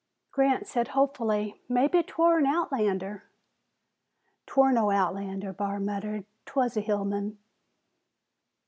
Grant said hopefully, "Maybe 'twar an outlander." "'Twar no outlander," Barr muttered. "'Twas a hill man."